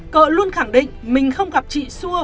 cỡ luôn khẳng định mình không gặp chị xua